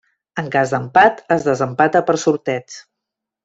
En cas d'empat, es desempata per sorteig.